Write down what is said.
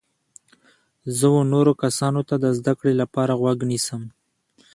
زه و نورو کسانو ته د زده کړي لپاره غوږ نیسم.